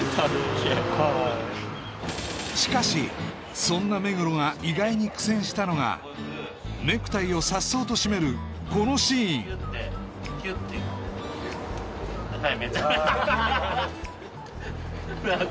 しかしそんな目黒が意外に苦戦したのがネクタイを颯爽と締めるこのシーンキュッてキュッアハハハあれ？